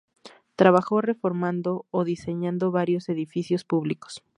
Trabajó reformando o diseñando varios edificios públicos.